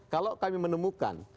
kalau kami menemukan